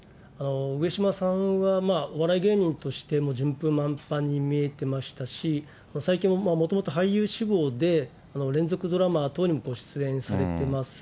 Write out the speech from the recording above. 上島さんはお笑い芸人としても順風満帆に見えてましたし、最近は、もともと俳優志望で、連続ドラマ等にご出演されてます。